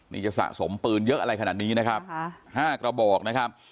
นี่จะสะสมปืนเยอะอะไรขนาดนี้นะครับ๕กระบอกนะครับ